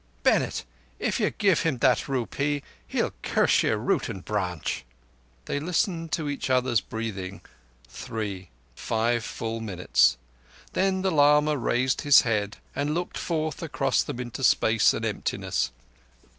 Bennett, if you give him that rupee he'll curse you root and branch!" They listened to each other's breathing—three—five full minutes. Then the lama raised his head, and looked forth across them into space and emptiness.